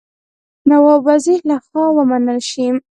نواب وزیر له خوا ومنل شي.